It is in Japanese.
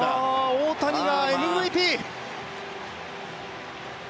大谷がＭＶＰ！